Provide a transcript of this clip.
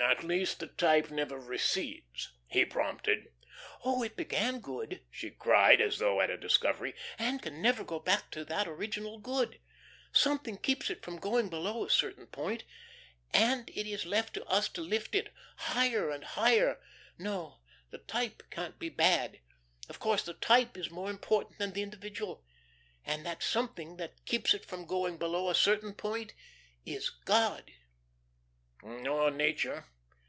"At least the type never recedes," he prompted. "Oh, it began good," she cried, as though at a discovery, "and can never go back of that original good. Something keeps it from going below a certain point, and it is left to us to lift it higher and higher. No, the type can't be bad. Of course the type is more important than the individual. And that something that keeps it from going below a certain point is God." "Or nature."